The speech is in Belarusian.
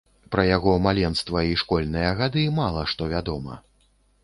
Пра яго маленства і школьныя гады мала што вядома.